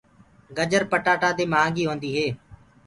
گجر پٽآتآ دي مهآنگي هوندي هي۔